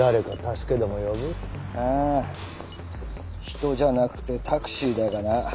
人じゃなくてタクシーだがな。